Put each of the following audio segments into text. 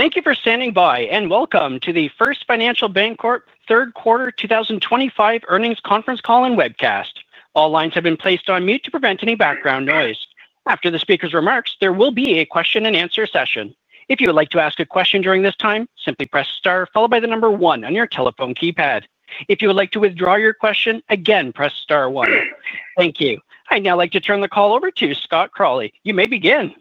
Thank you for standing by and welcome to the First Financial Bancorp third quarter 2025 earnings conference call and webcast. All lines have been placed on mute to prevent any background noise. After the speaker's remarks, there will be a question and answer session. If you would like to ask a question during this time, simply press star followed by the number one on your telephone keypad. If you would like to withdraw your question, again press star one. Thank you. I'd now like to turn the call over to Scott Crawley. You may begin.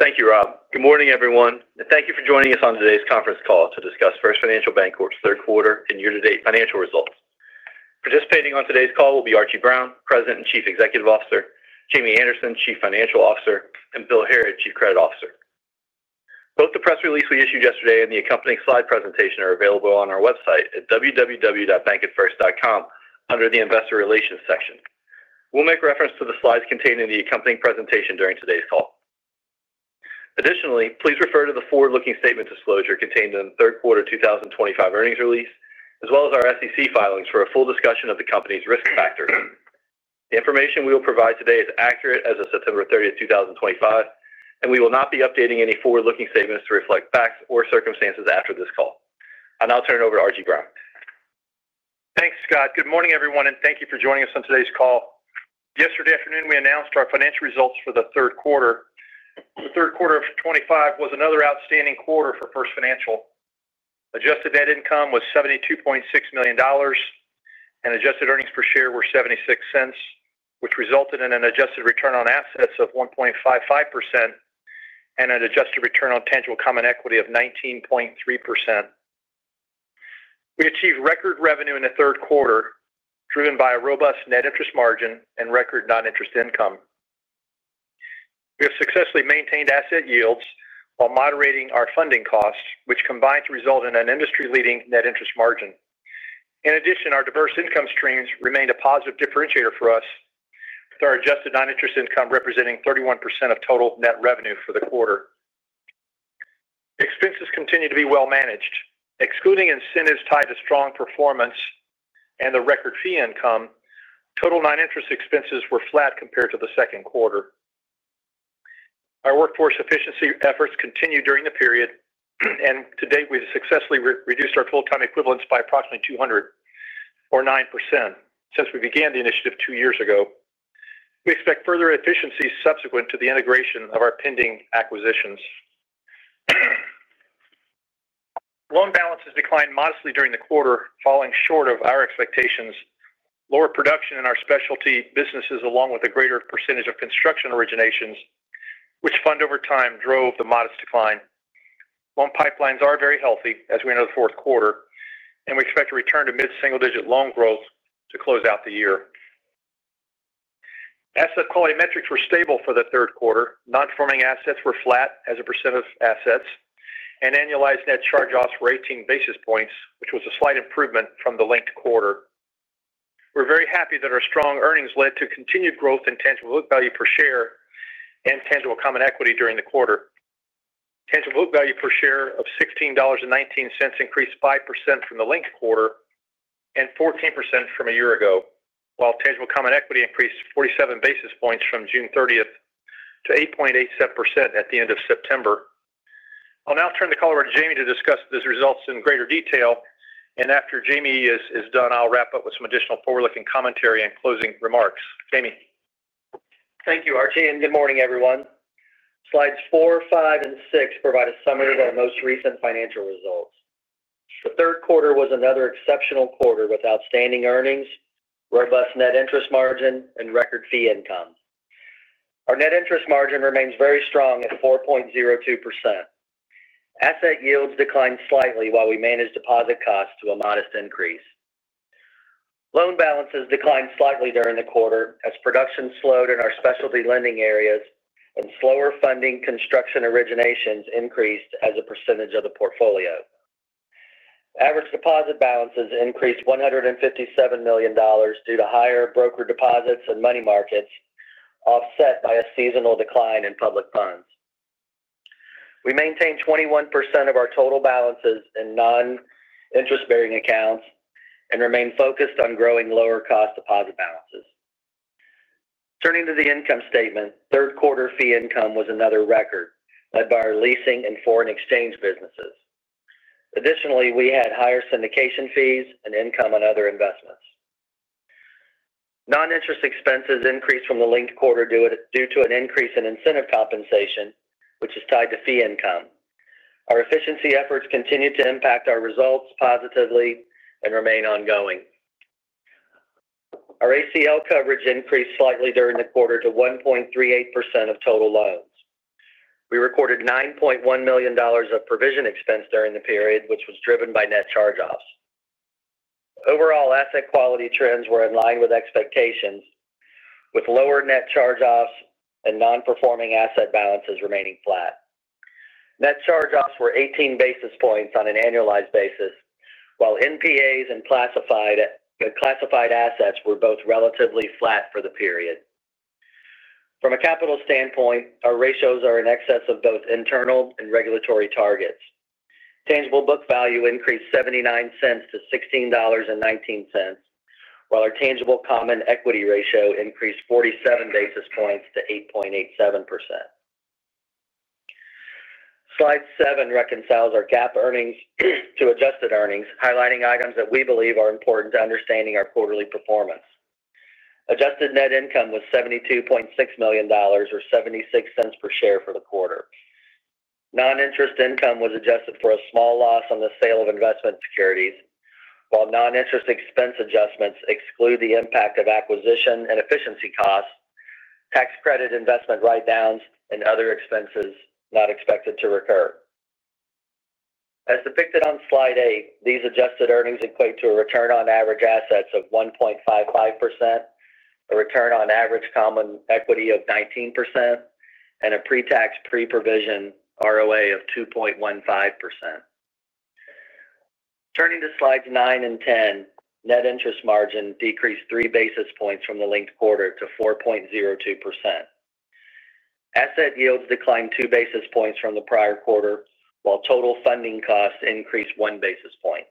Thank you, Rob. Good morning, everyone, and thank you for joining us on today's conference call to discuss First Financial Bancorp's third quarter and year-to-date financial results. Participating on today's call will be Archie Brown, President and Chief Executive Officer, Jamie Anderson, Chief Financial Officer, and Bill Harrod, Chief Credit Officer. Both the press release we issued yesterday and the accompanying slide presentation are available on our website at www.bankandfirst.com under the Investor Relations section. We'll make reference to the slides contained in the accompanying presentation during today's call. Additionally, please refer to the forward-looking statement disclosure contained in the Third Quarter 2025 Earnings Release, as well as our SEC filings for a full discussion of the company's risk factors. The information we will provide today is accurate as of September 30, 2025, and we will not be updating any forward-looking statements to reflect facts or circumstances after this call. I now turn it over to Archie Brown. Thanks, Scott. Good morning, everyone, and thank you for joining us on today's call. Yesterday afternoon, we announced our financial results for the third quarter. The third quarter 2025 was another outstanding quarter for First Financial Bancorp. Adjusted net income was $72.6 million, and adjusted earnings per share were $0.76, which resulted in an adjusted return on assets of 1.55% and an adjusted return on tangible common equity of 19.3%. We achieved record revenue in the third quarter, driven by a robust net interest margin and record non-interest income. We have successfully maintained asset yields while moderating our funding costs, which combined to result in an industry-leading net interest margin. In addition, our diverse income streams remained a positive differentiator for us, with our adjusted non-interest income representing 31% of total net revenue for the quarter. Expenses continue to be well managed. Excluding incentives tied to strong performance and the record fee income, total non-interest expenses were flat compared to the second quarter. Our workforce efficiency efforts continued during the period, and to date, we have successfully reduced our total time equivalence by approximately 209% since we began the initiative two years ago. We expect further efficiencies subsequent to the integration of our pending acquisitions. Loan balances declined modestly during the quarter, falling short of our expectations. Lower production in our specialty businesses, along with a greater percentage of construction originations, which fund over time, drove the modest decline. Loan pipelines are very healthy as we enter the fourth quarter, and we expect to return to mid-single-digit loan growth to close out the year. Asset quality metrics were stable for the third quarter. Non-performing assets were flat as a percent of assets, and annualized net charge-offs were 18 basis points, which was a slight improvement from the linked quarter. We're very happy that our strong earnings led to continued growth in tangible book value per share and tangible common equity during the quarter. Tangible book value per share of $16.19 increased 5% from the linked quarter and 14% from a year ago, while tangible common equity increased 47 basis points from June 30 to 8.87% at the end of September. I'll now turn the call over to Jamie to discuss these results in greater detail, and after Jamie is done, I'll wrap up with some additional forward-looking commentary and closing remarks. Jamie. Thank you, Archie, and good morning, everyone. Slides four, five, and six provide a summary of our most recent financial results. The third quarter was another exceptional quarter with outstanding earnings, robust net interest margin, and record fee income. Our net interest margin remains very strong at 4.02%. Asset yields declined slightly, while we managed deposit costs to a modest increase. Loan balances declined slightly during the quarter as production slowed in our specialty lending areas and slower funding construction originations increased as a percentage of the portfolio. Average deposit balances increased $157 million due to higher broker deposits and money markets, offset by a seasonal decline in public funds. We maintain 21% of our total balances in non-interest bearing accounts and remain focused on growing lower-cost deposit balances. Turning to the income statement, third quarter fee income was another record, led by our leasing and foreign exchange businesses. Additionally, we had higher syndication fees and income on other investments. Non-interest expenses increased from the linked quarter due to an increase in incentive compensation, which is tied to fee income. Our efficiency initiatives continue to impact our results positively and remain ongoing. Our ACL coverage increased slightly during the quarter to 1.38% of total loans. We recorded $9.1 million of provision expense during the period, which was driven by net charge-offs. Overall, asset quality trends were in line with expectations, with lower net charge-offs and non-performing asset balances remaining flat. Net charge-offs were 18 basis points on an annualized basis, while NPAs and classified assets were both relatively flat for the period. From a capital standpoint, our ratios are in excess of both internal and regulatory targets. Tangible book value increased $0.79-$16.19, while our tangible common equity ratio increased 47 basis points to 8.87%. Slide seven reconciles our GAAP earnings to adjusted earnings, highlighting items that we believe are important to understanding our quarterly performance. Adjusted net income was $72.6 million or $0.76 per share for the quarter. Non-interest income was adjusted for a small loss on the sale of investment securities, while non-interest expense adjustments exclude the impact of acquisition and efficiency costs, tax credit investment write-downs, and other expenses not expected to recur. As depicted on slide eight, these adjusted earnings equate to a return on average assets of 1.55%, a return on average common equity of 19%, and a pre-tax pre-provision ROA of 2.15%. Turning to slides nine and 10, net interest margin decreased three basis points from the linked quarter to 4.02%. Asset yields declined two basis points from the prior quarter, while total funding costs increased one basis point.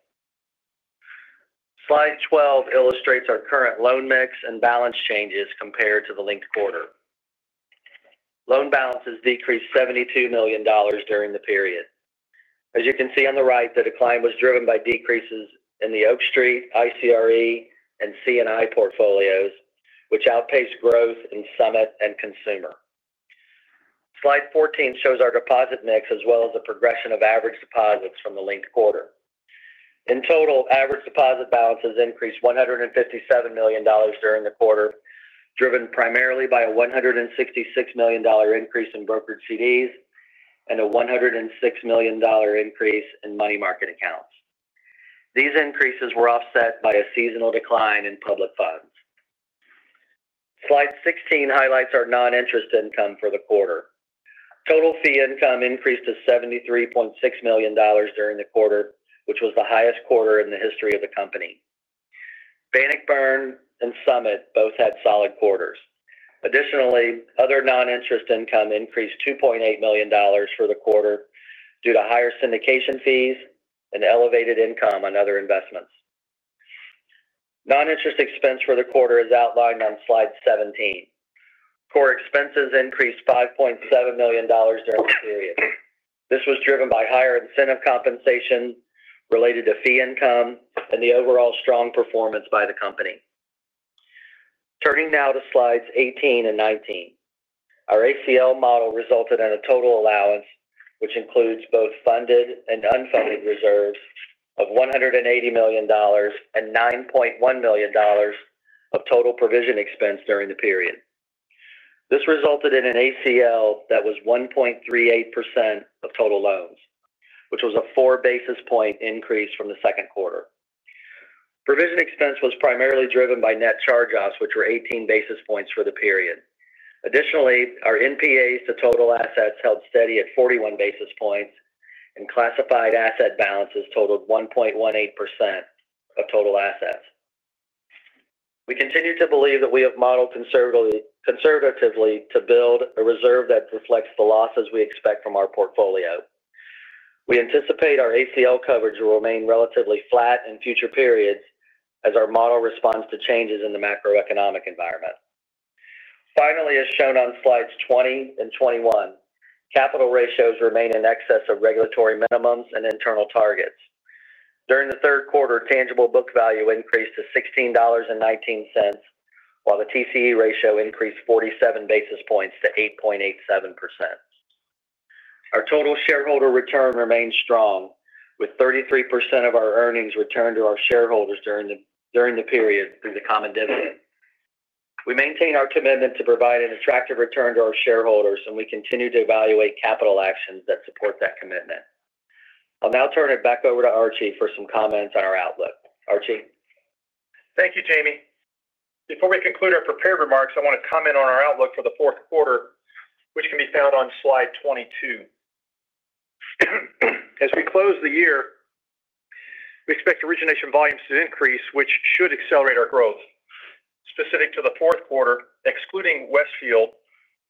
Slide 12 illustrates our current loan mix and balance changes compared to the linked quarter. Loan balances decreased $72 million during the period. As you can see on the right, the decline was driven by decreases in the Oak Street, ICRE, and CNI portfolios, which outpaced growth in Summit and Consumer. Slide 14 shows our deposit mix as well as a progression of average deposits from the linked quarter. In total, average deposit balances increased $157 million during the quarter, driven primarily by a $166 million increase in brokered CDs and a $106 million increase in money market accounts. These increases were offset by a seasonal decline in public funds. Slide 16 highlights our non-interest income for the quarter. Total fee income increased to $73.6 million during the quarter, which was the highest quarter in the history of the company. Bannockburn and Summit both had solid quarters. Additionally, other non-interest income increased $2.8 million for the quarter due to higher syndication fees and elevated income on other investments. Non-interest expense for the quarter is outlined on slide 17. Core expenses increased $5.7 million during the period. This was driven by higher incentive compensation related to fee income and the overall strong performance by the company. Turning now to slides 18 and 19, our ACL model resulted in a total allowance, which includes both funded and unfunded reserves of $180 million and $9.1 million of total provision expense during the period. This resulted in an ACL that was 1.38% of total loans, which was a four basis point increase from the second quarter. Provision expense was primarily driven by net charge-offs, which were 18 basis points for the period. Additionally, our NPAs to total assets held steady at 41 basis points, and classified asset balances totaled 1.18% of total assets. We continue to believe that we have modeled conservatively to build a reserve that reflects the losses we expect from our portfolio. We anticipate our ACL coverage will remain relatively flat in future periods as our model responds to changes in the macroeconomic environment. Finally, as shown on slides 20 and 21, capital ratios remain in excess of regulatory minimums and internal targets. During the third quarter, tangible book value increased to $16.19, while the TCE ratio increased 47 basis points to 8.87%. Our total shareholder return remains strong, with 33% of our earnings returned to our shareholders during the period through the common dividend. We maintain our commitment to provide an attractive return to our shareholders, and we continue to evaluate capital actions that support that commitment. I'll now turn it back over to Archie for some comments on our outlook. Archie. Thank you, Jamie. Before we conclude our prepared remarks, I want to comment on our outlook for the fourth quarter, which can be found on slide 22. As we close the year, we expect origination volumes to increase, which should accelerate our growth. Specific to the fourth quarter, excluding Westfield,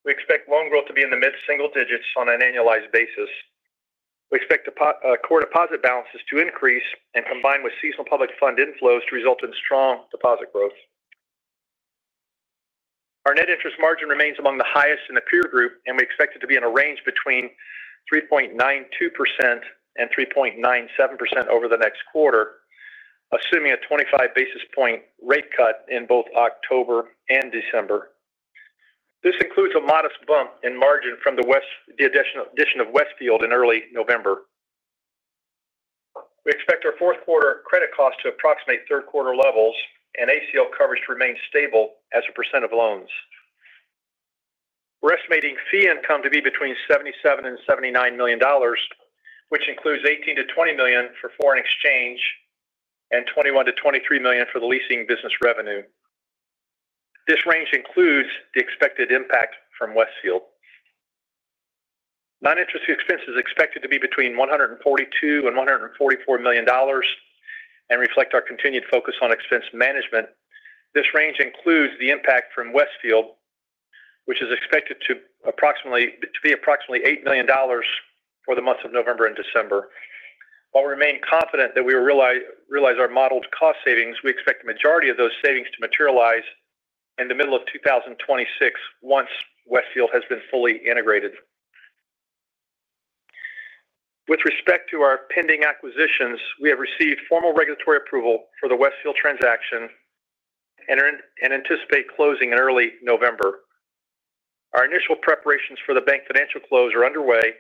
we expect loan growth to be in the mid-single digits on an annualized basis. We expect the core deposit balances to increase and combine with seasonal public fund inflows to result in strong deposit growth. Our net interest margin remains among the highest in the peer group, and we expect it to be in a range between 3.92% and 3.97% over the next quarter, assuming a 25 basis point rate cut in both October and December. This includes a modest bump in margin from the addition of Westfield in early November. We expect our fourth quarter credit costs to approximate third quarter levels and ACL coverage to remain stable as a percent of loans. We're estimating fee income to be between $77 million and $79 million, which includes $18 million-$20 million for foreign exchange and $21 million-$23 million for the leasing business revenue. This range includes the expected impact from Westfield. Non-interest expense is expected to be between $142 million and $144 million and reflect our continued focus on expense management. This range includes the impact from Westfield, which is expected to be approximately $8 million for the months of November and December. While we remain confident that we will realize our modeled cost savings, we expect the majority of those savings to materialize in the middle of 2026 once Westfield has been fully integrated. With respect to our pending acquisitions, we have received formal regulatory approval for the Westfield transaction and anticipate closing in early November. Our initial preparations for the BankFinancial close are underway,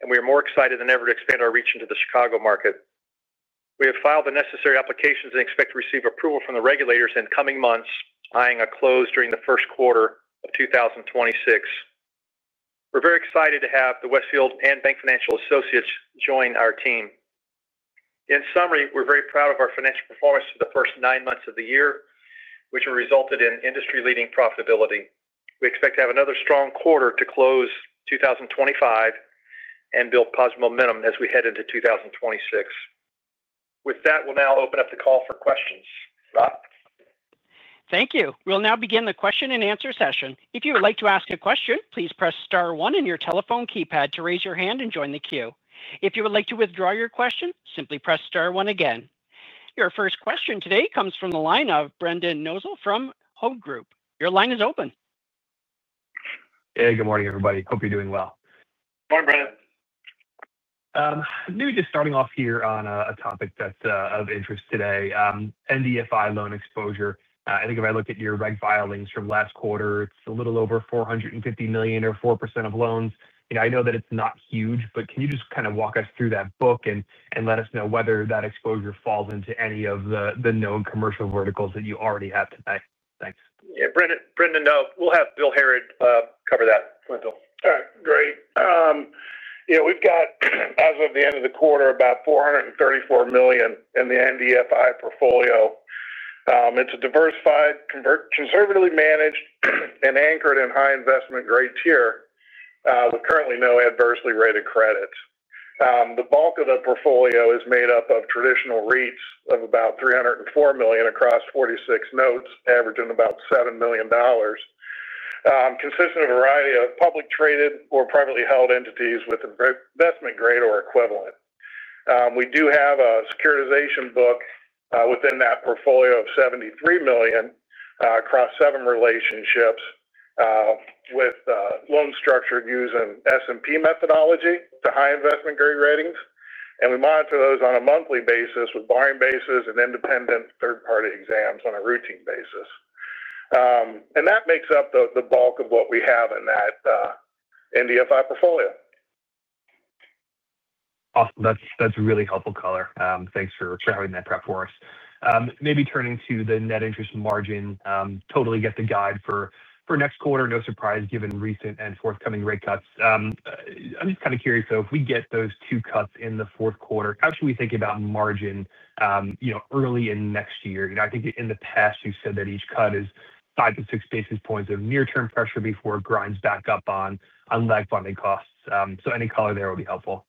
and we are more excited than ever to expand our reach into the Chicago market. We have filed the necessary applications and expect to receive approval from the regulators in coming months, eyeing a close during the first quarter of 2026. We're very excited to have the Westfield and BankFinancial Associates join our team. In summary, we're very proud of our financial performance for the first nine months of the year, which resulted in industry-leading profitability. We expect to have another strong quarter to close 2025 and build positive momentum as we head into 2026. With that, we'll now open up the call for questions. Thank you. We'll now begin the question and answer session. If you would like to ask a question, please press star one on your telephone keypad to raise your hand and join the queue. If you would like to withdraw your question, simply press star one again. Your first question today comes from the line of Brendan Nosal from Hovde Group. Your line is open. Hey, good morning, everybody. Hope you're doing well. I'm new to starting off here on a topic that's of interest today, NDFI loan exposure. I think if I look at your reg filings from last quarter, it's a little over $450 million or 4% of loans. I know that it's not huge, but can you just kind of walk us through that book and let us know whether that exposure falls into any of the known commercial verticals that you already have tonight? Thanks. Yeah, Brendan, no, we'll have Bill Harrod cover that. Go ahead, Bill. All right, great. We've got, as of the end of the quarter, about $434 million in the NDFI portfolio. It's a diversified, conservatively managed, and anchored in high investment grade tier with currently no adversely rated credit. The bulk of the portfolio is made up of traditional REITs of about $304 million across 46 notes, averaging about $7 million, consisting of a variety of public traded or privately held entities with investment grade or equivalent. We do have a securitization book within that portfolio of $73 million across seven relationships with loan structure using S&P methodology to high investment grade ratings, and we monitor those on a monthly basis with buying basis and independent third-party exams on a routine basis. That makes up the bulk of what we have in that NDFI portfolio. Awesome. That's a really helpful color. Thanks for having that prep for us. Maybe turning to the net interest margin, totally get the guide for next quarter, no surprise given recent and forthcoming rate cuts. I'm just kind of curious, though, if we get those two cuts in the fourth quarter, how should we think about margin early in next year? I think in the past, you said that each cut is 5 to 6 basis points of near-term pressure before it grinds back up on lag funding costs. Any color there will be helpful.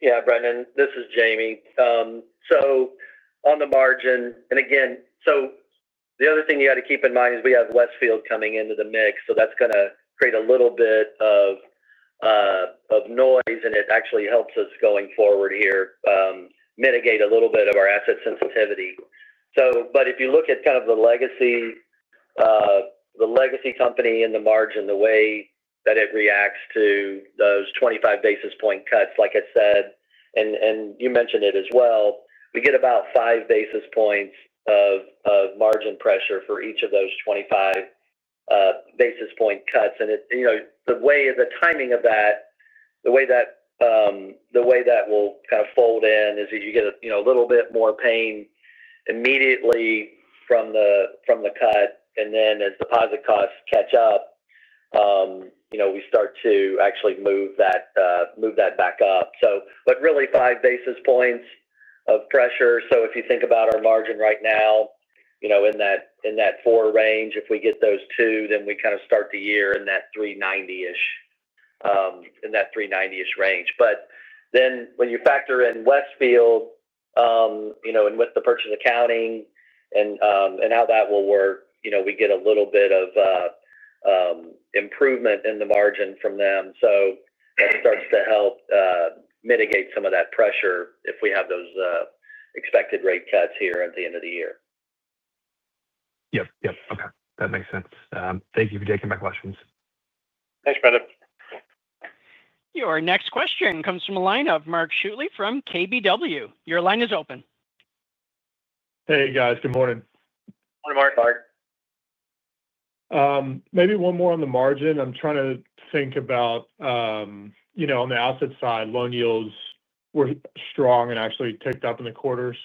Yeah, Brendan, this is Jamie. On the margin, the other thing you got to keep in mind is we have Westfield coming into the mix, so that's going to create a little bit of noise, and it actually helps us going forward here mitigate a little bit of our asset sensitivity. If you look at kind of the legacy company in the margin, the way that it reacts to those 25 basis point cuts, like I said, and you mentioned it as well, we get about five basis points of margin pressure for each of those 25 basis point cuts. The way the timing of that, the way that will kind of fold in is that you get a little bit more pain immediately from the cut, and then as deposit costs catch up, we start to actually move that back up. Really five basis points of pressure. If you think about our margin right now, in that four range, if we get those two, then we kind of start the year in that 390-ish range. When you factor in Westfield, and with the purchase accounting and how that will work, we get a little bit of improvement in the margin from them. That starts to help mitigate some of that pressure if we have those expected rate cuts here at the end of the year. Yep, yep. Okay. That makes sense. Thank you for taking my questions. Thanks, Brendan. Your next question comes from a line of Mark Shutley from KBW. Your line is open. Hey, guys, good morning. Morning, Mark. Sorry. Maybe one more on the margin. I'm trying to think about, you know, on the asset side, loan yields were strong and actually ticked up in the quarter.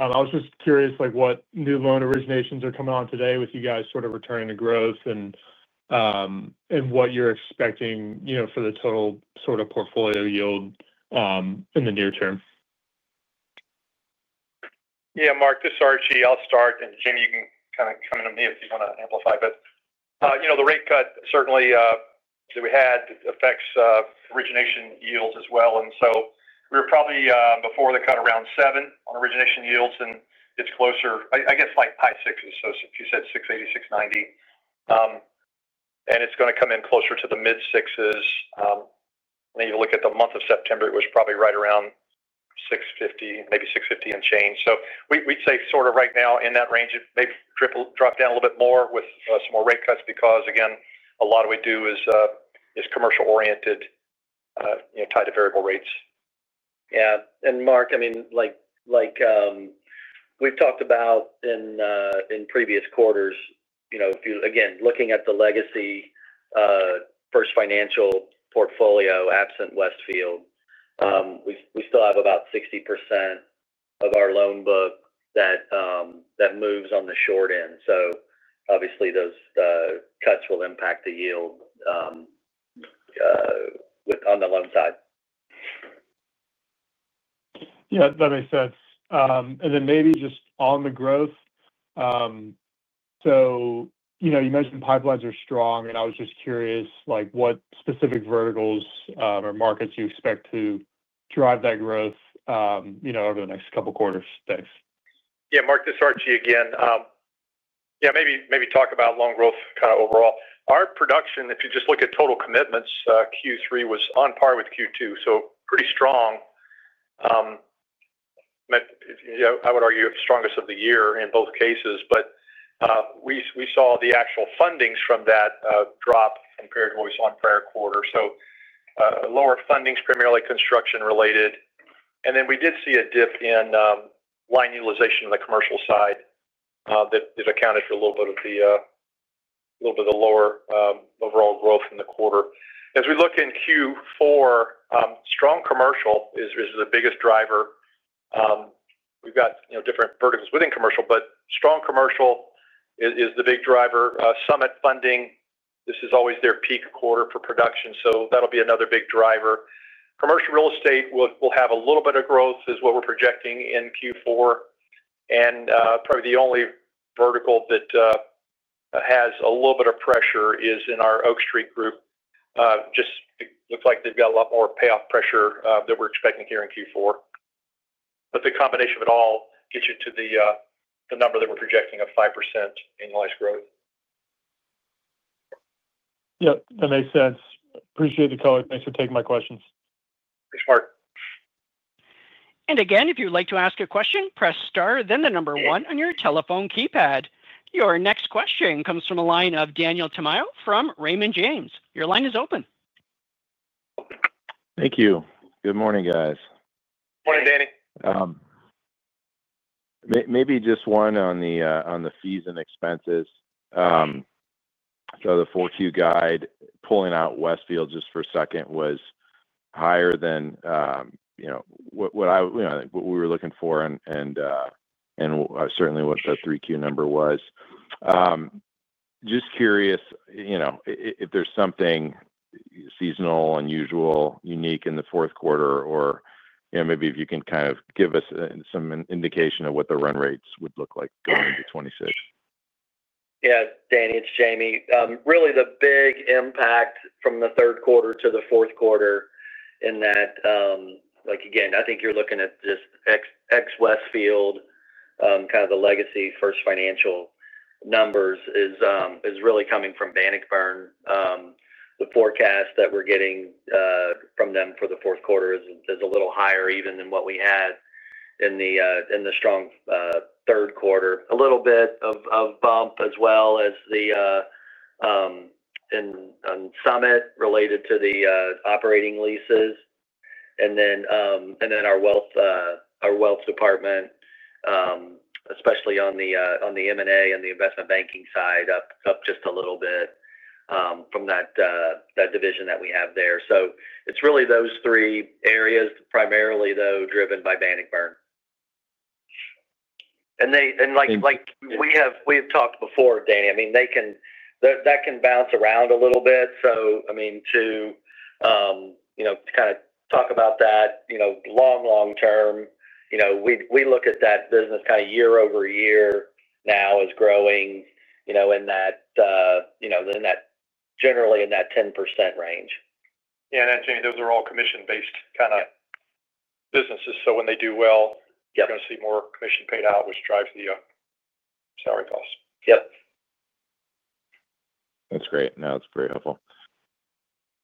I was just curious, like, what new loan originations are coming on today with you guys sort of returning to growth and what you're expecting, you know, for the total sort of portfolio yield in the near term? Yeah, Mark, this is Archie. I'll start, and Jamie, you can kind of come in if you want to amplify a bit. You know, the rate cut certainly that we had affects origination yields as well. We were probably before the cut around 7% on origination yields, and it's closer, I guess, like high 6%. If you said 6.80%, 6.90%, it's going to come in closer to the mid-6% range. You look at the month of September, it was probably right around 6.50%, maybe 6.50% and change. We'd say sort of right now in that range, it may drop down a little bit more with some more rate cuts because, again, a lot of what we do is commercial-oriented, you know, tied to variable rates. Yeah. Mark, like we've talked about in previous quarters, if you, again, looking at the legacy First Financial portfolio absent Westfield, we still have about 60% of our loan book that moves on the short end. Obviously, those cuts will impact the yield on the loan side. That makes sense. Maybe just on the growth, you mentioned pipelines are strong, and I was just curious, what specific verticals or markets you expect to drive that growth over the next couple of quarters? Thanks. Yeah, Mark, this is Archie again. Maybe talk about loan growth kind of overall. Our production, if you just look at total commitments, Q3 was on par with Q2, so pretty strong. I would argue it's the strongest of the year in both cases. We saw the actual fundings from that drop compared to what we saw in prior quarters. Lower fundings, primarily construction-related. We did see a dip in line utilization in the commercial side that accounted for a little bit of the lower overall growth in the quarter. As we look in Q4, strong commercial is the biggest driver. We've got different verticals within commercial, but strong commercial is the big driver. Summit funding, this is always their peak quarter for production. That'll be another big driver. Commercial real estate will have a little bit of growth is what we're projecting in Q4. Probably the only vertical that has a little bit of pressure is in our Oak Street group. Just looks like they've got a lot more payoff pressure that we're expecting here in Q4. The combination of it all gets you to the number that we're projecting of 5% annualized growth. Yeah, that makes sense. Appreciate the color. Thanks for taking my questions. Thanks, Mark. If you would like to ask a question, press star, then the number one on your telephone keypad. Your next question comes from a line of Daniel Tamayo from Raymond James. Your line is open. Thank you. Good morning, guys. Morning, Danny. Maybe just one on the fees and expenses. The 4Q guide pulling out Westfield just for a second was higher than what I, you know, what we were looking for and certainly what the 3Q number was. Just curious if there's something seasonal, unusual, unique in the fourth quarter, or if you can kind of give us some indication of what the run rates would look like going into 2026. Yeah, Danny, it's Jamie. Really, the big impact from the third quarter to the fourth quarter in that, like, again, I think you're looking at just ex-Westfield, kind of the legacy First Financial numbers, is really coming from Bannockburn. The forecast that we're getting from them for the fourth quarter is a little higher even than what we had in the strong third quarter. A little bit of a bump as well in Summit related to the operating leases. Our wealth department, especially on the M&A and the investment banking side, is up just a little bit from that division that we have there. It's really those three areas, primarily, though, driven by Bannockburn. Like we have talked before, Danny, they can bounce around a little bit. To kind of talk about that long term, we look at that business year over year now as growing generally in that 10% range. Yeah, Jamie, those are all commission-based kind of businesses. When they do well, you're going to see more commission paid out, which drives the salary cost. Yep. That's great. No, that's very helpful.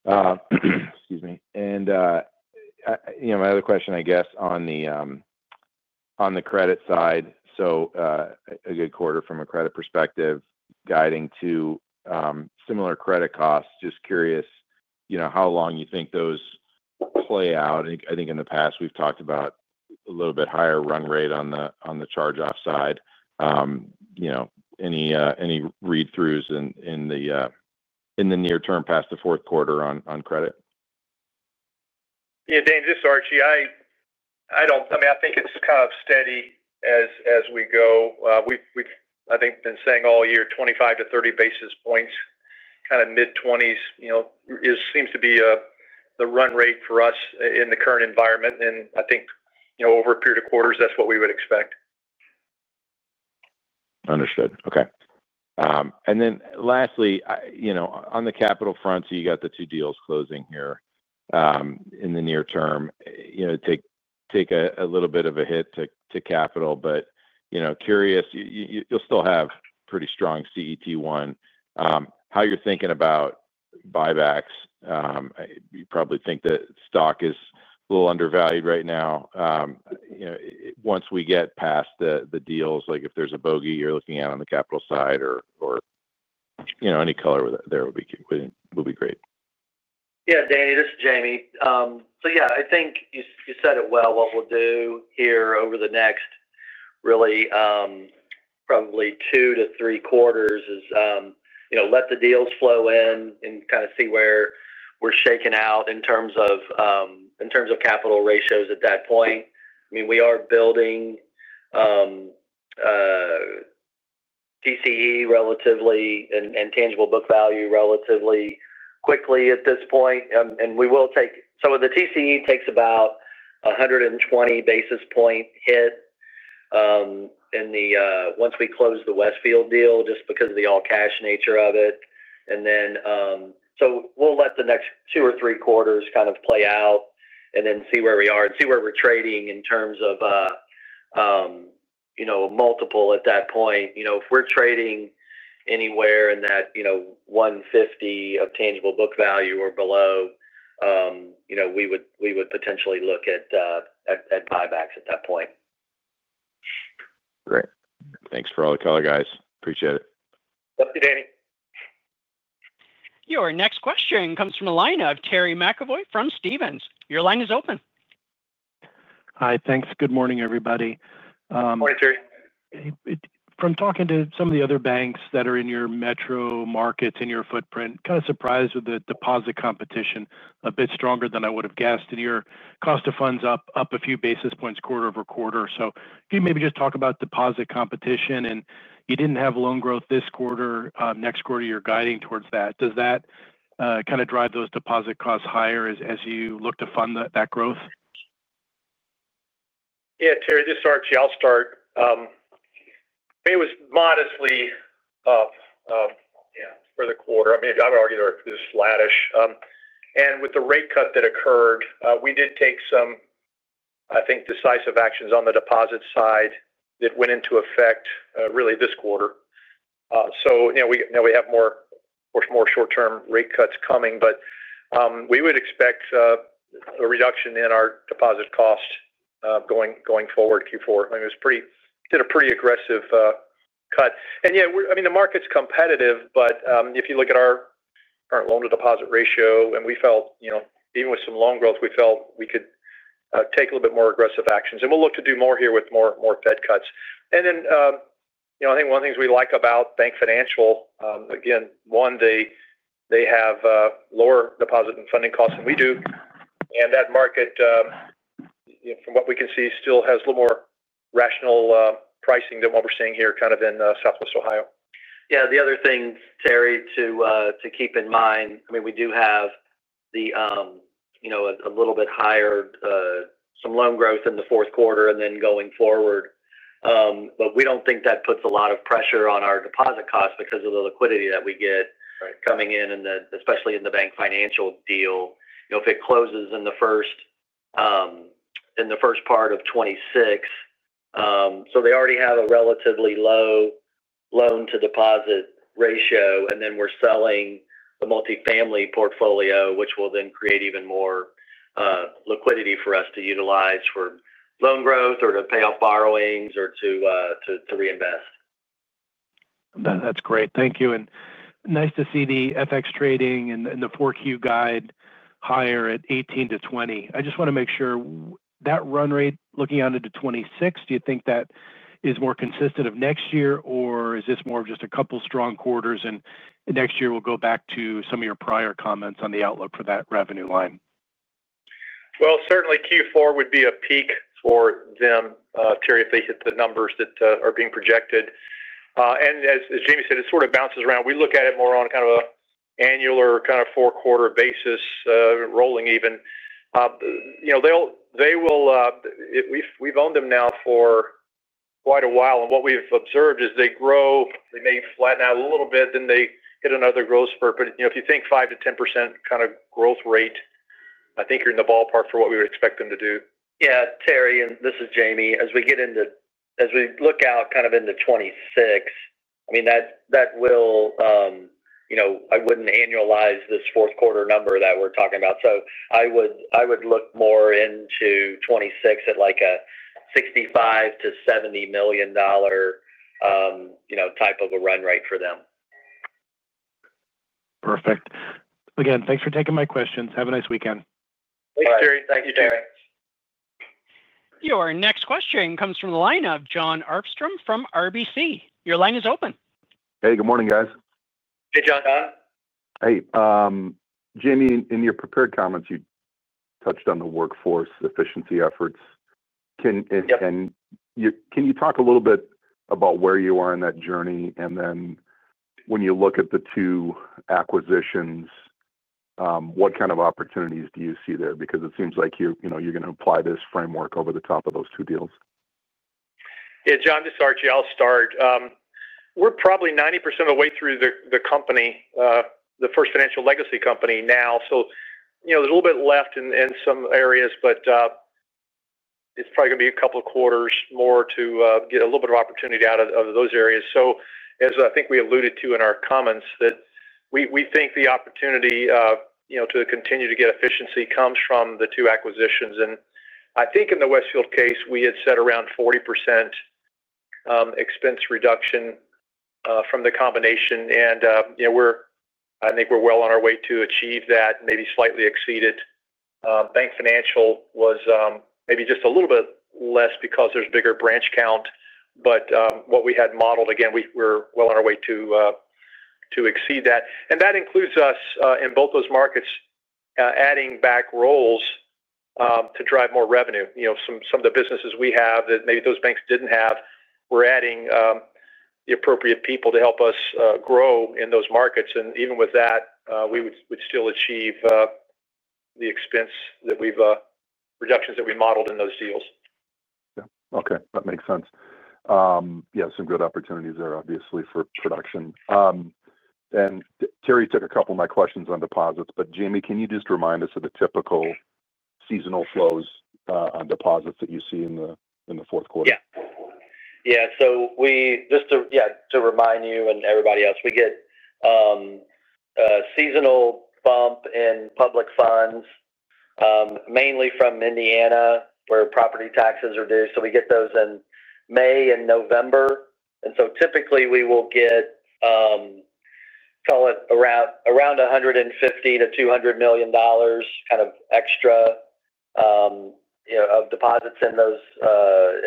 Excuse me. My other question, I guess, on the credit side. A good quarter from a credit perspective guiding to similar credit costs. Just curious how long you think those play out. I think in the past, we've talked about a little bit higher run rate on the charge-off side. Any read-throughs in the near term past the fourth quarter on credit? Yeah, Danny, this is Archie. I don't, I mean, I think it's kind of steady as we go. We've, I think, been saying all year 25 to 30 basis points, kind of mid-20s, you know, seems to be the run rate for us in the current environment. I think, over a period of quarters, that's what we would expect. Understood. Okay. Lastly, on the capital front, you got the two deals closing here in the near term. You take a little bit of a hit to capital, but curious, you'll still have pretty strong CET1. How you're thinking about buybacks, you probably think that stock is a little undervalued right now. Once we get past the deals, if there's a bogey you're looking at on the capital side or any color there would be great. Yeah, Danny, this is Jamie. Yeah, I think you said it well. What we'll do here over the next, really, probably two to three quarters is let the deals flow in and kind of see where we're shaken out in terms of capital ratios at that point. I mean, we are building TCE relatively and tangible book value relatively quickly at this point. We will take, so the TCE takes about a 120 basis point hit once we close the Westfield deal just because of the all-cash nature of it. We'll let the next two or three quarters kind of play out and then see where we are and see where we're trading in terms of a multiple at that point. If we're trading anywhere in that 150 of tangible book value or below, we would potentially look at buybacks at that point. Great. Thanks for all the color, guys. Appreciate it. Yep, too, Daniel. Your next question comes from a line of Terry McEvoy from Stephens Inc. Your line is open. Hi, thanks. Good morning, everybody. Morning, Terry. From talking to some of the other banks that are in your metro markets in your footprint, I am kind of surprised with the deposit competition, a bit stronger than I would have guessed. Your cost of funds is up, up a few basis points quarter-over-quarter. If you maybe just talk about deposit competition and you didn't have loan growth this quarter, next quarter you're guiding towards that. Does that kind of drive those deposit costs higher as you look to fund that growth? Yeah, Terry, this is Archie. I'll start. It was modestly up for the quarter. I would argue they're just flat-ish. With the rate cut that occurred, we did take some, I think, decisive actions on the deposit side that went into effect really this quarter. Now we have more, of course, more short-term rate cuts coming, but we would expect a reduction in our deposit cost going forward Q4. It was pretty, did a pretty aggressive cut. The market's competitive, but if you look at our loan-to-deposit ratio, and we felt, even with some loan growth, we felt we could take a little bit more aggressive actions. We'll look to do more here with more Fed cuts. I think one of the things we like about BankFinancial, again, one, they have lower deposit and funding costs than we do. That market, from what we can see, still has a little more rational pricing than what we're seeing here kind of in Southwest Ohio. Yeah, the other thing, Terry, to keep in mind, we do have a little bit higher, some loan growth in the fourth quarter and then going forward. We don't think that puts a lot of pressure on our deposit costs because of the liquidity that we get coming in, especially in the BankFinancial deal. If it closes in the first part of 2026, they already have a relatively low loan-to-deposit ratio, and we're selling the multifamily portfolio, which will then create even more liquidity for us to utilize for loan growth or to pay off borrowings or to reinvest. That's great. Thank you. Nice to see the FX trading and the 4Q guide higher at 18 to 20. I just want to make sure that run rate looking on into 2026, do you think that is more consistent of next year, or is this more of just a couple of strong quarters and next year we'll go back to some of your prior comments on the outlook for that revenue line? Q4 would be a peak for them, Terry, if they hit the numbers that are being projected. As Jamie said, it sort of bounces around. We look at it more on kind of an annual or kind of four-quarter basis, rolling even. They will, we've owned them now for quite a while. What we've observed is they grow, they may flatten out a little bit, then they hit another growth spurt. If you think 5%-10% kind of growth rate, I think you're in the ballpark for what we would expect them to do. Yeah, Terry, this is Jamie. As we look out kind of into 2026, I mean, I wouldn't annualize this fourth quarter number that we're talking about. I would look more into 2026 at like a $65 million-$70 million, you know, type of a run rate for them. Perfect. Again, thanks for taking my questions. Have a nice weekend. Thanks, Terry. Thanks, Terry. Your next question comes from the line of Jon Arfstrom from RBC Capital Markets. Your line is open. Hey, good morning, guys. Hey, John. Hey, Jamie, in your prepared comments, you touched on the workforce efficiency efforts. Can you talk a little bit about where you are in that journey? When you look at the two acquisitions, what kind of opportunities do you see there? It seems like you're going to apply this framework over the top of those two deals. Yeah, John, this is Archie. I'll start. We're probably 90% of the way through the company, the First Financial legacy company now. There's a little bit left in some areas, but it's probably going to be a couple of quarters more to get a little bit of opportunity out of those areas. As I think we alluded to in our comments, we think the opportunity to continue to get efficiency comes from the two acquisitions. I think in the Westfield case, we had set around 40% expense reduction from the combination. We're well on our way to achieve that, maybe slightly exceed it. BankFinancial was maybe just a little bit less because there's a bigger branch count. What we had modeled, again, we're well on our way to exceed that. That includes us in both those markets, adding back roles to drive more revenue. Some of the businesses we have that maybe those banks didn't have, we're adding the appropriate people to help us grow in those markets. Even with that, we would still achieve the expense reductions that we modeled in those deals. Okay, that makes sense. Some good opportunities there, obviously, for production. Terry took a couple of my questions on deposits, but Jamie, can you just remind us of the typical seasonal flows on deposits that you see in the fourth quarter? Yeah, just to remind you and everybody else, we get a seasonal bump in public funds, mainly from Indiana, where property taxes are due. We get those in May and November. Typically, we will get, call it around $150 million-$200 million extra deposits in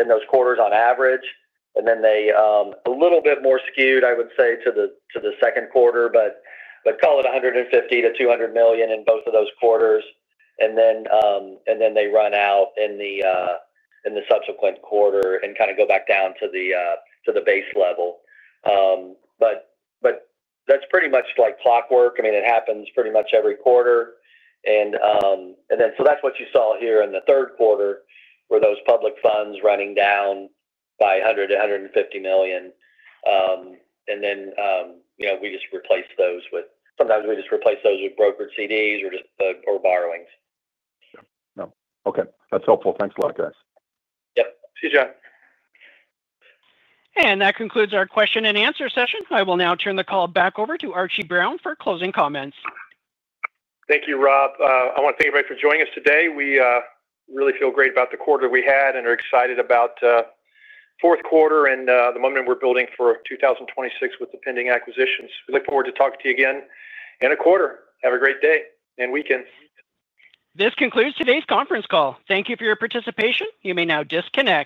those quarters on average. They are a little bit more skewed, I would say, to the second quarter, but call it $150 million-$200 million in both of those quarters. They run out in the subsequent quarter and go back down to the base level. That's pretty much like clockwork. It happens pretty much every quarter. That's what you saw here in the third quarter, those public funds running down by $100 million-$150 million. We just replace those with, sometimes we just replace those with brokered CDs or borrowings. Yeah, no, okay. That's helpful. Thanks a lot, guys. Yep. See you, John. That concludes our question and answer session. I will now turn the call back over to Archie Brown for closing comments. Thank you, Rob. I want to thank everybody for joining us today. We really feel great about the quarter we had and are excited about the fourth quarter and the momentum we're building for 2026 with the pending acquisitions. We look forward to talking to you again in a quarter. Have a great day and weekend. This concludes today's conference call. Thank you for your participation. You may now disconnect.